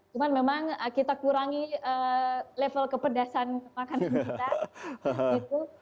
cuman memang kita kurangi level kepedasan makanan kita gitu